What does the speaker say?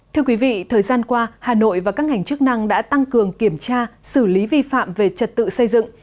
thưa quý vị thời gian qua hà nội và các ngành chức năng đã tăng cường kiểm tra xử lý vi phạm về trật tự xây dựng